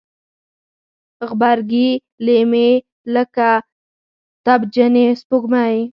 غبرګي لیمې لکه تبجنې سپوږمۍ